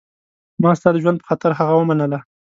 ما ستا د ژوند په خاطر هغه ومنله.